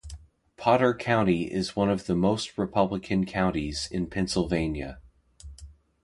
Potter County is one of the most Republican counties in Pennsylvania.